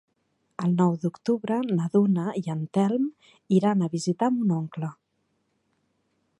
El nou d'octubre na Duna i en Telm iran a visitar mon oncle.